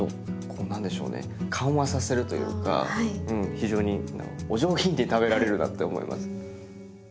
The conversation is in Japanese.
非常にお上品に食べられるなって思います。